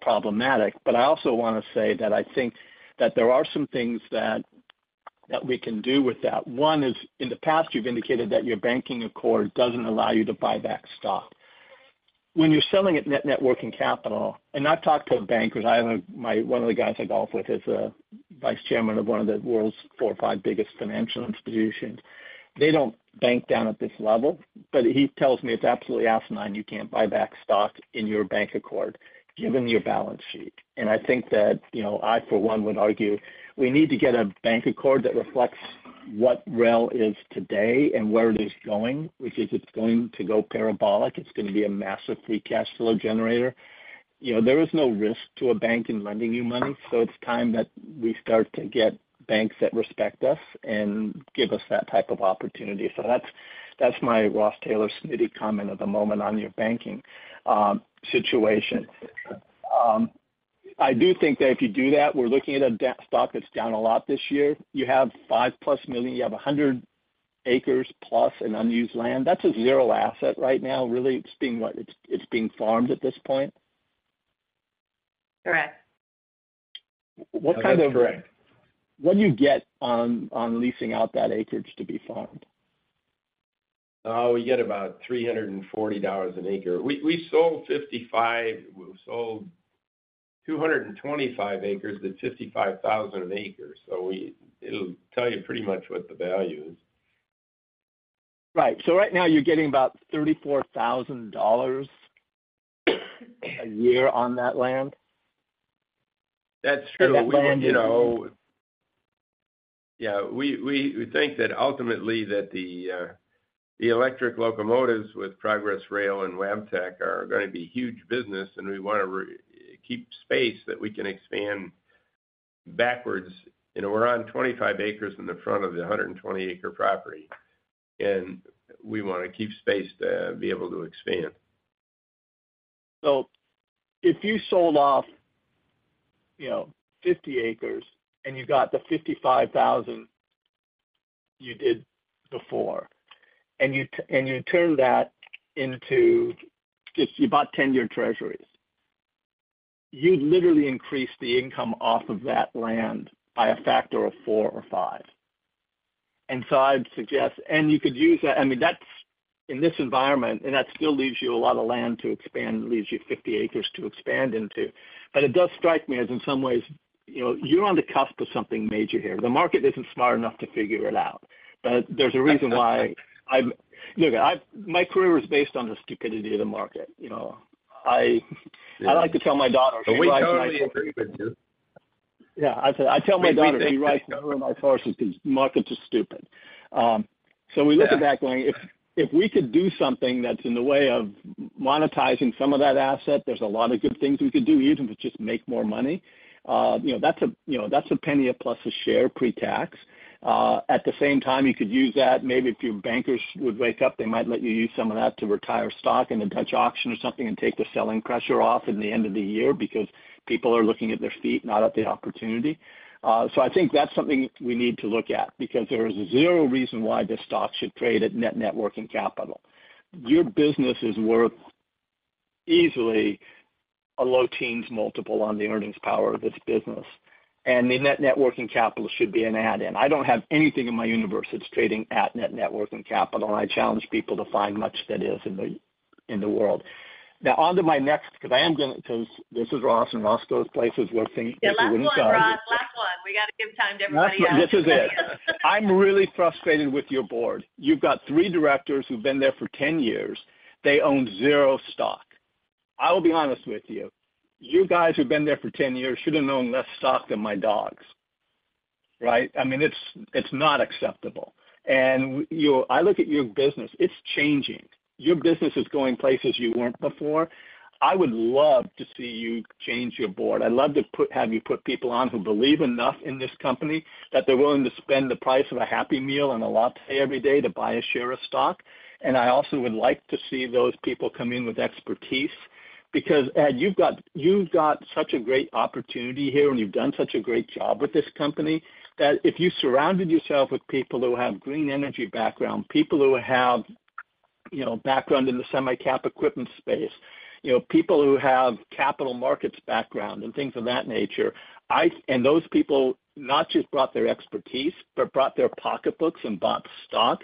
problematic. But I also want to say that I think that there are some things that we can do with that. One is, in the past, you've indicated that your banking accord doesn't allow you to buy back stock. When you're selling at net net working capital, and I've talked to a banker. My, one of the guys I golf with is a vice chairman of one of the world's four or five biggest financial institutions. They don't bank down at this level, but he tells me it's absolutely asinine you can't buy back stock in your bank accord, given your balance sheet. And I think that, you know, I, for one, would argue we need to get a bank accord that reflects what REL is today and where it is going, which is it's going to go parabolic. It's going to be a massive free cash flow generator. You know, there is no risk to a bank in lending you money, so it's time that we start to get banks that respect us and give us that type of opportunity. That's my Ross Taylor Smitty comment of the moment on your banking situation. I do think that if you do that, we're looking at a debt stock that's down a lot this year. You have $5 million plus, you have 100 acres plus in unused land. That's a zero asset right now, really. It's being what? It's being farmed at this point? Correct. What kind of. That's correct. What do you get on leasing out that acreage to be farmed? We get about $340 an acre. We sold 55, we sold 225 acres at $55,000 an acre, so it'll tell you pretty much what the value is. Right. So right now you're getting about $34,000 a year on that land? That's true. We, you know. Yeah, we think that ultimately that the electric locomotives with Progress Rail and WABTEC are going to be huge business, and we want to keep space that we can expand backwards. You know, we're on 25 acres in the front of the 120-acre property, and we want to keep space to be able to expand. So if you sold off, you know, 50 acres and you got the $55,000 you did before, and you turned that into just, you bought 10-year treasuries, you literally increased the income off of that land by a factor of 4 or 5. And so I'd suggest, and you could use that. I mean, that's in this environment, and that still leaves you a lot of land to expand, leaves you 50 acres to expand into. But it does strike me as in some ways, you know, you're on the cusp of something major here. The market isn't smart enough to figure it out, but there's a reason why I'm. Look, I, my career is based on the stupidity of the market. You know, I like to tell my daughter. We totally agree with you. Yeah, I tell my daughter, we ride government horses because markets are stupid. So we look at that going, if we could do something that's in the way of monetizing some of that asset, there's a lot of good things we could do, even if it's just make more money. You know, that's a, you know, that's a penny plus a share pre-tax. At the same time, you could use that. Maybe if your bankers would wake up, they might let you use some of that to retire stock in a Dutch auction or something and take the selling pressure off in the end of the year because people are looking at their feet, not at the opportunity. So I think that's something we need to look at because there is zero reason why this stock should trade at net networking capital. Your business is worth easily a low teens multiple on the earnings power of this business, and the net working capital should be an add in. I don't have anything in my universe that's trading at net working capital, and I challenge people to find much that is in the world. Now on to my next, because I am going to, because this is Ross, and Ross goes places where things he wouldn't go. Yeah, last one, Ross, last one. We got to give time to everybody else. This is it. I'm really frustrated with your board. You've got three directors who've been there for 10 years. They own zero stock. I will be honest with you, you guys who've been there for 10 years should have own less stock than my dogs, right? I mean, it's, it's not acceptable. And you, I look at your business, it's changing. Your business is going places you weren't before. I would love to see you change your board. I'd love to put, have you put people on who believe enough in this company, that they're willing to spend the price of a Happy Meal and a latte every day to buy a share of stock. And I also would like to see those people come in with expertise, because, Ed, you've got, you've got such a great opportunity here, and you've done such a great job with this company, that if you surrounded yourself with people who have green energy background, people who have, you know, background in the semi-cap equipment space, you know, people who have capital markets background and things of that nature, I and those people not just brought their expertise, but brought their pocketbooks and bought stock.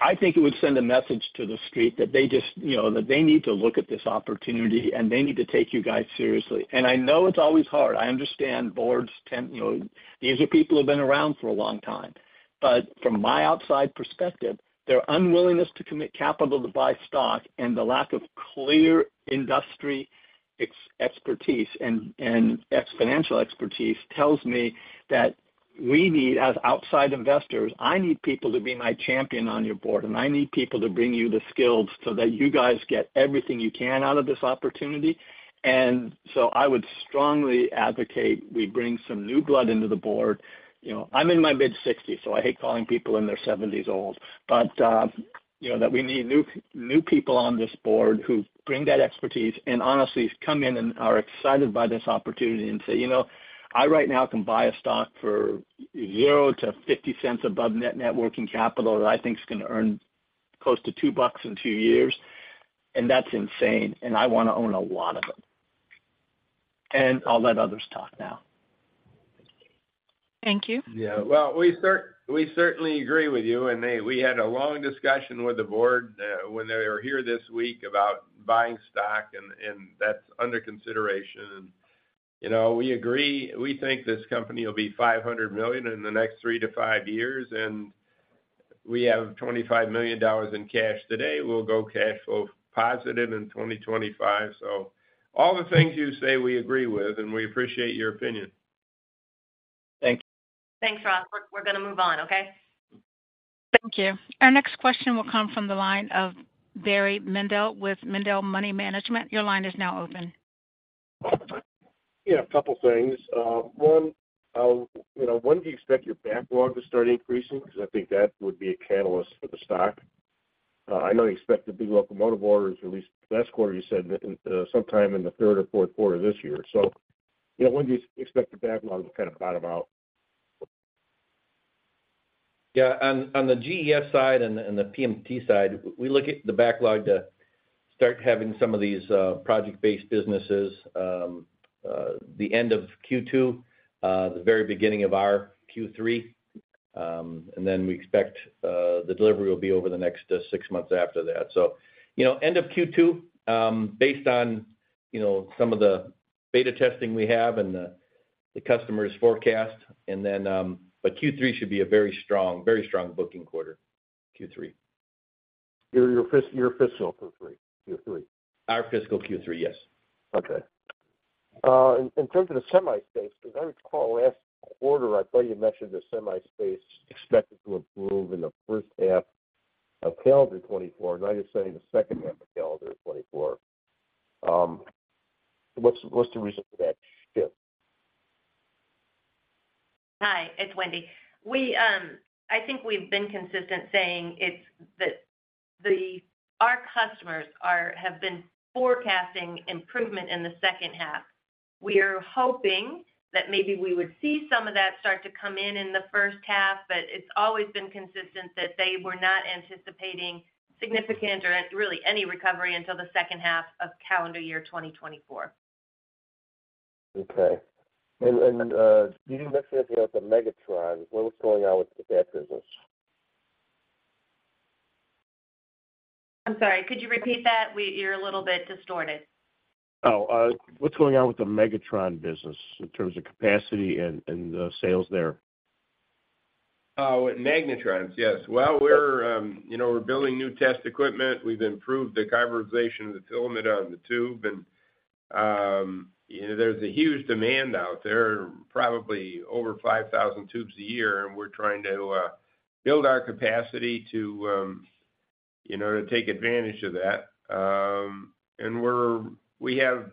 I think it would send a message to the street that they just, you know, that they need to look at this opportunity, and they need to take you guys seriously. And I know it's always hard. I understand boards tend, you know, these are people who've been around for a long time. But from my outside perspective, their unwillingness to commit capital to buy stock and the lack of clear industry expertise and financial expertise tells me that we need, as outside investors, I need people to be my champion on your board, and I need people to bring you the skills so that you guys get everything you can out of this opportunity. And so I would strongly advocate we bring some new blood into the board. You know, I'm in my mid-sixties, so I hate calling people in their seventies old. You know, that we need new, new people on this board who bring that expertise and honestly come in and are excited by this opportunity and say, "You know, I right now can buy a stock for $0.00-$0.50 above net networking capital that I think is going to earn close to $2.00 in two years, and that's insane, and I want to own a lot of them." I'll let others talk now. Thank you. Yeah, well, we certainly agree with you, and we had a long discussion with the board, when they were here this week about buying stock, and that's under consideration. You know, we agree. We think this company will be $500 million in the next 3-5 years, and we have $25 million in cash today. We'll go cash flow positive in 2025. So all the things you say, we agree with, and we appreciate your opinion. Thank you. Thanks, Ross. We're going to move on, okay? Thank you. Our next question will come from the line of Barry Mendel with Mendel Money Management. Your line is now open. Yeah, a couple things. One, you know, when do you expect your backlog to start increasing? Because I think that would be a catalyst for the stock. I know you expect the big locomotive orders, at least last quarter, you said, sometime in the third or fourth quarter this year. So, you know, when do you expect the backlog to kind of bottom out? Yeah, on the GES side and the PMT side, we look at the backlog to start having some of these project-based businesses, the end of Q2, the very beginning of our Q3, and then we expect the delivery will be over the next six months after that. So, you know, end of Q2, based on, you know, some of the beta testing we have and the customers forecast, and then, but Q3 should be a very strong, very strong booking quarter, Q3. Your fiscal 2023 Q3. Our fiscal Q3, yes. Okay. In terms of the semi space, as I recall, last quarter, I thought you mentioned the semi space expected to improve in the first half of calendar 2024. Now you're saying the second half of calendar 2024. What's the reason for that shift? Hi, it's Wendy. We, I think we've been consistent saying it's our customers are, have been forecasting improvement in the second half. We're hoping that maybe we would see some of that start to come in in the first half, but it's always been consistent that they were not anticipating significant or really any recovery until the second half of calendar year 2024. Okay. And, you mentioned about the magnetron. What was going on with that business? I'm sorry. Could you repeat that? You're a little bit distorted. Oh, what's going on with the magnetron business in terms of capacity and sales there? Oh, with magnetrons. Yes. Well, we're, you know, we're building new test equipment. We've improved the carbonization of the filament on the tube, and, you know, there's a huge demand out there, probably over 5,000 tubes a year, and we're trying to build our capacity to, you know, to take advantage of that. And we have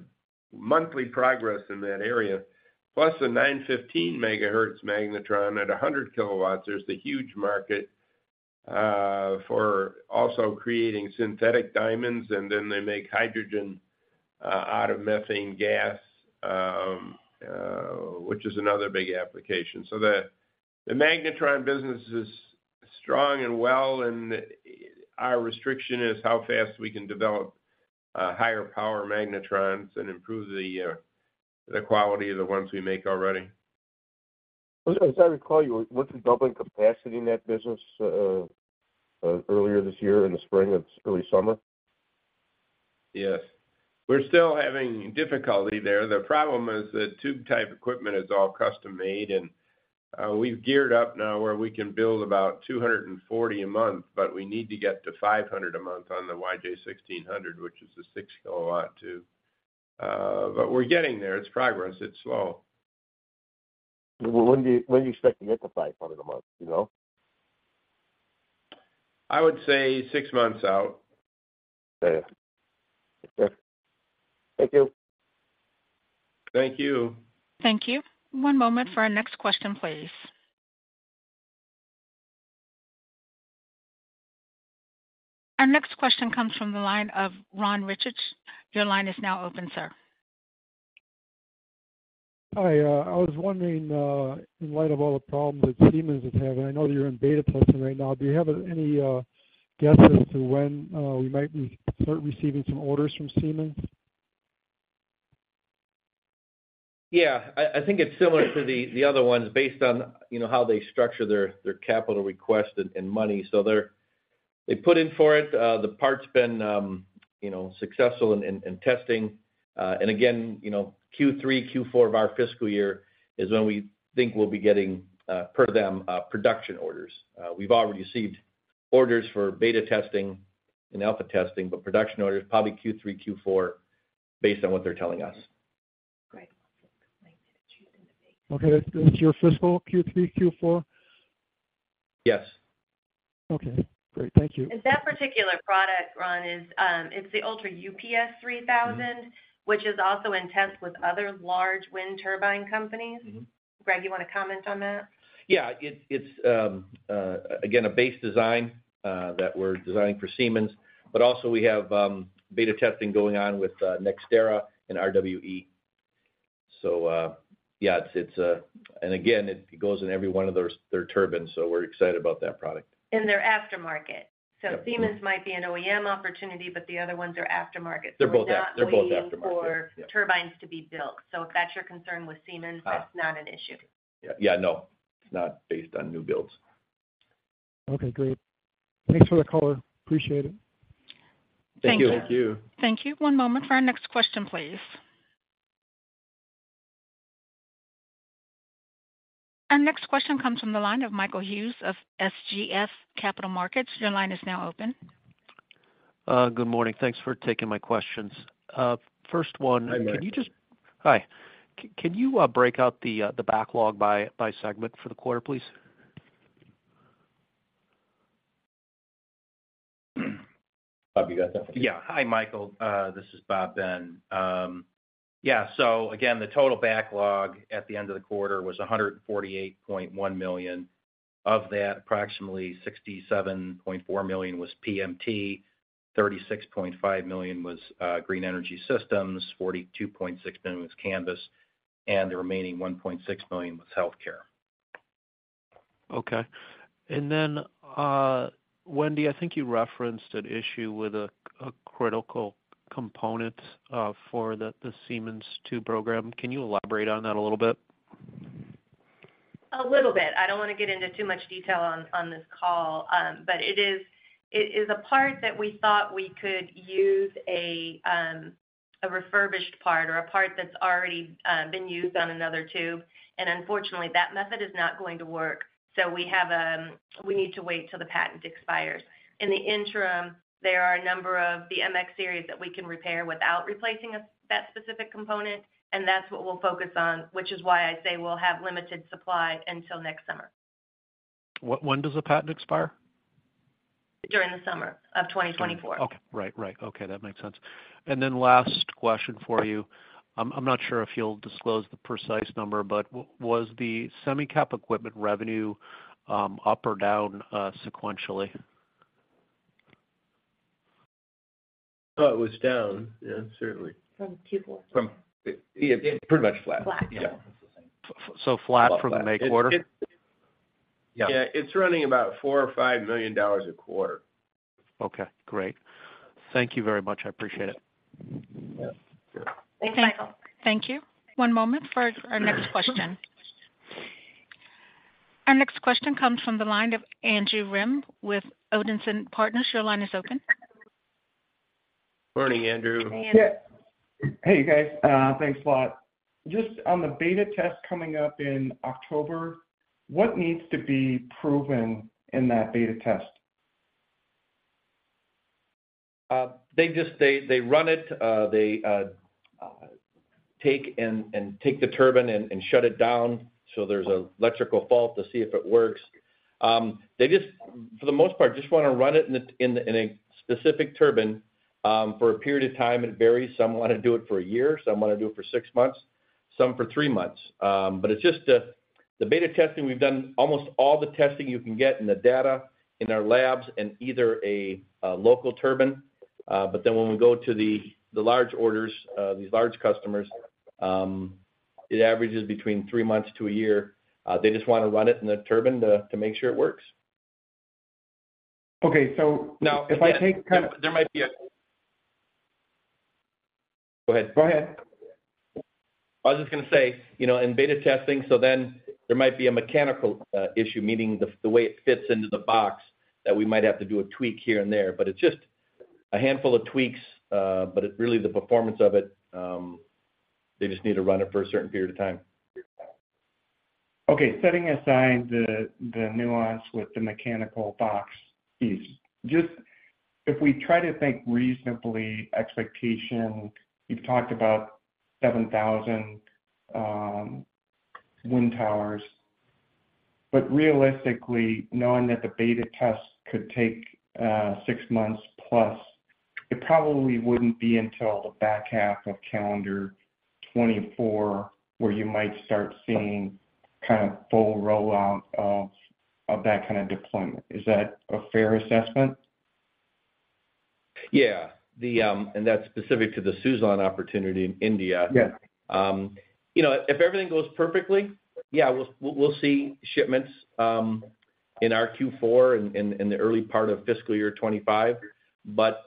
monthly progress in that area, plus a 915-MHz magnetron at 100 kW. There's the huge market for also creating synthetic diamonds, and then they make hydrogen out of methane gas, which is another big application. So the, the magnetron business is strong and well, and our restriction is how fast we can develop higher power magnetrons and improve the, the quality of the ones we make already. As I recall, you were doubling capacity in that business, earlier this year, in the spring or early summer? Yes. We're still having difficulty there. The problem is that tube-type equipment is all custom-made, and we've geared up now where we can build about 240 a month, but we need to get to 500 a month on the YJ-1600, which is a 6-kilowatt tube. But we're getting there. It's progress. It's slow. When do you expect to get to 500 a month? Do you know? I would say six months out. Okay. Okay. Thank you. Thank you. Thank you. One moment for our next question, please. Our next question comes from the line of Ron Richards. Your line is now open, sir. Hi, I was wondering, in light of all the problems that Siemens is having, I know you're in beta testing right now, do you have any guess as to when we might be start receiving some orders from Siemens? Yeah, I think it's similar to the other ones based on, you know, how they structure their capital request and money. So, they put in for it. The part's been, you know, successful in testing. And again, you know, Q3, Q4 of our fiscal year is when we think we'll be getting, per them, production orders. We've already received orders for beta testing and alpha testing, but production orders, probably Q3, Q4, based on what they're telling us. Great. Okay. That's your fiscal Q3, Q4? Yes. Okay, great. Thank you. That particular product, Ron, is, it's the Ultra UPS 3000. Which is also in test with other large wind turbine companies. Greg, you want to comment on that? Yeah, it's again a base design that we're designing for Siemens, but also we have beta testing going on with NextEra and RWE. So yeah, it's a... And again, it goes in every one of those, their turbines, so we're excited about that product. In their aftermarket. Yeah. Siemens might be an OEM opportunity, but the other ones are aftermarket. They're both aftermarket. We're not waiting for turbines to be built. So if that's your concern with Siemens. That's not an issue. Yeah, yeah, no, it's not based on new builds. Okay, great. Thanks for the call. Appreciate it. Thank you. Thank you. Thank you. One moment for our next question, please. Our next question comes from the line of Michael Hughes of SGS Capital Markets. Your line is now open. Good morning. Thanks for taking my questions. First one- Hi, Michael. Hi. Can you break out the backlog by segment for the quarter, please? Bob, you got that? Yeah. Hi, Michael, this is Robert Ben. Yeah, so again, the total backlog at the end of the quarter was $148.1 million. Of that, approximately $67.4 million was PMT, $36.5 million was Green Energy Systems, $42.6 million was Canvys, and the remaining $1.6 million was healthcare. Okay. And then, Wendy, I think you referenced an issue with a critical component for the Siemens 2 program. Can you elaborate on that a little bit? A little bit. I don't want to get into too much detail on, on this call, but it is, it is a part that we thought we could use a refurbished part or a part that's already been used on another tube, and unfortunately, that method is not going to work. So we have we need to wait till the patent expires. In the interim, there are a number of the MX series that we can repair without replacing that specific component, and that's what we'll focus on, which is why I say we'll have limited supply until next summer. When does the patent expire? During the summer of 2024. Okay. Right, right. Okay, that makes sense. And then last question for you. I'm not sure if you'll disclose the precise number, but was the semicap equipment revenue up or down sequentially? Oh, it was down. Yeah, certainly. From Q4. Yeah, pretty much flat. Flat. Yeah, that's the thing. So flat from the May quarter? Yeah. It's running about $4 million-$5 million a quarter. Okay, great. Thank you very much. I appreciate it. Yep. Thanks, Michael. Thank you. One moment for our next question. Our next question comes from the line of Andrew Rem with Odinson Partners. Your line is open. Morning, Andrew. Hey, Andrew. Hey, you guys. Thanks a lot. Just on the beta test coming up in October, what needs to be proven in that beta test? They just run it. They take the turbine and shut it down so there's an electrical fault to see if it works. They just, for the most part, just want to run it in a specific turbine for a period of time. It varies. Some want to do it for a year, some want to do it for six months, some for three months. But it's just the beta testing. We've done almost all the testing you can get in the data in our labs and either a local turbine, but then when we go to the large orders, these large customers, it averages between three months to a year. They just want to run it in the turbine to make sure it works. Okay, so now if I take. There might be a. Go ahead. I was just going to say, you know, in beta testing, so then there might be a mechanical issue, meaning the way it fits into the box, that we might have to do a tweak here and there, but it's just a handful of tweaks, but it's really the performance of it. They just need to run it for a certain period of time. Okay. Setting aside the nuance with the mechanical box piece, just if we try to think reasonably, expectation, you've talked about 7,000 wind towers, but realistically, knowing that the beta test could take 6 months plus, it probably wouldn't be until the back half of calendar 2024, where you might start seeing kind of full rollout of that kind of deployment. Is that a fair assessment? Yeah. And that's specific to the Suzlon opportunity in India. Yes. You know, if everything goes perfectly, yeah, we'll, we'll see shipments in our Q4 and in the early part of fiscal year 2025. But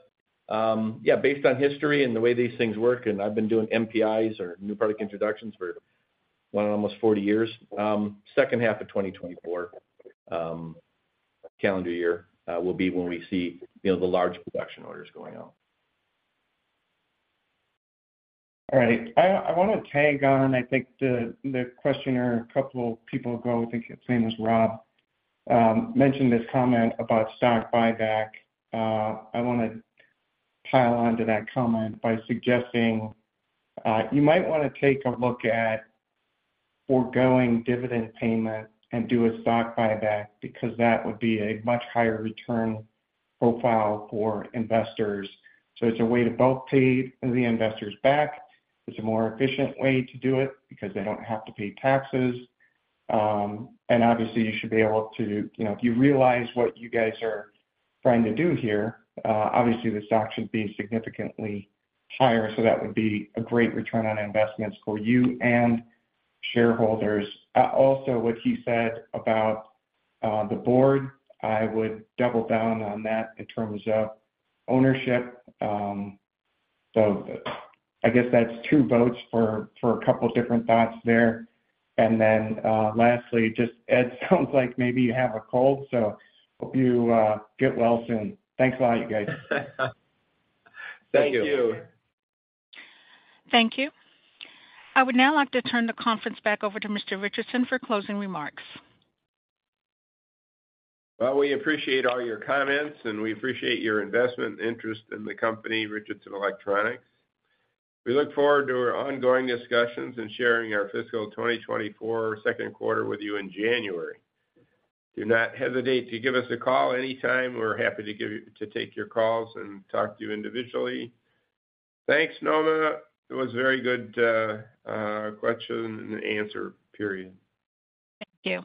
yeah, based on history and the way these things work, and I've been doing NPIs or new product introductions for well, almost 40 years, second half of 2024 calendar year will be when we see, you know, the large production orders going out. All right. I wanna tag on, I think, the questioner a couple of people ago, I think his name was Ron, mentioned this comment about stock buyback. I want to pile on to that comment by suggesting, you might want to take a look at foregoing dividend payment and do a stock buyback, because that would be a much higher return profile for investors. So it's a way to both pay the investors back, it's a more efficient way to do it because they don't have to pay taxes, and obviously, you should be able to, you know, if you realize what you guys are trying to do here, obviously, the stock should be significantly higher, so that would be a great return on investments for you and shareholders. Also, what he said about the board, I would double down on that in terms of ownership. So I guess that's two votes for a couple different thoughts there. Then, lastly, just, Ed, sounds like maybe you have a cold, so hope you get well soon. Thanks a lot, you guys. Thank you. Thank you. Thank you. I would now like to turn the conference back over to Mr. Richardson for closing remarks. Well, we appreciate all your comments, and we appreciate your investment interest in the company, Richardson Electronics. We look forward to our ongoing discussions and sharing our fiscal 2024 second quarter with you in January. Do not hesitate to give us a call anytime. We're happy to take your calls and talk to you individually. Thanks, Noma. It was a very good question and answer period. Thank you.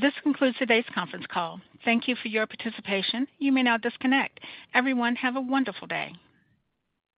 This concludes today's conference call. Thank you for your participation. You may now disconnect. Everyone, have a wonderful day.